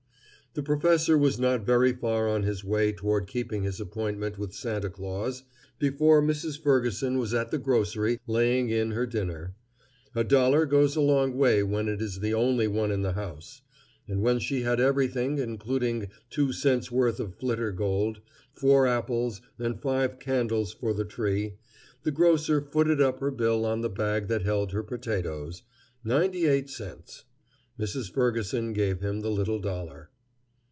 The professor was not very far on his way toward keeping his appointment with Santa Claus before Mrs. Ferguson was at the grocery laying in her dinner. A dollar goes a long way when it is the only one in the house; and when she had everything, including two cents' worth of flitter gold, four apples, and five candles for the tree, the grocer footed up her bill on the bag that held her potatoes ninety eight cents. Mrs. Ferguson gave him the little dollar.